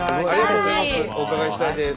お伺いしたいです。